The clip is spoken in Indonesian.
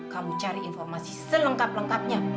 kamu cari informasi selengkap lengkapnya